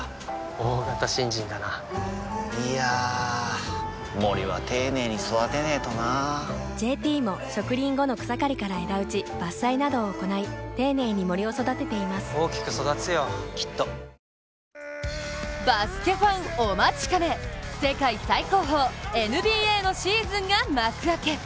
大型新人だないやー森は丁寧に育てないとな「ＪＴ」も植林後の草刈りから枝打ち伐採などを行い丁寧に森を育てています大きく育つよきっとバスケファンお待ちかね、世界最高峰ＮＢＡのシーズンが幕開け。